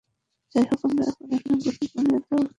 যাই হোক, আমরা এখন এখানে, গতি কমিয়ে তাও কেটির দিকে ছুটছি।